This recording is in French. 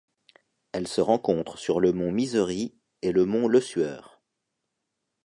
Elle se rencontre sur le mont Misery et le mont Lesueur.